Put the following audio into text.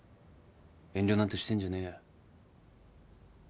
遠慮なんてしてんじゃねえよ。